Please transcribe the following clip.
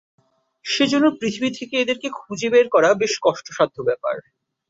সেজন্য পৃথিবী থেকে এদেরকে খুঁজে বের করা বেশ কষ্টসাধ্য ব্যাপার।